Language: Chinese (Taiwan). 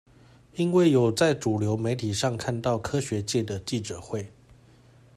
因為有在主流媒體上看到科學界的記者會